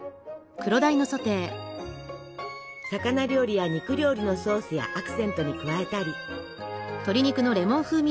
魚料理や肉料理のソースやアクセントに加えたり。